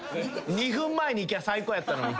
２分前に行きゃあ最高やったのに。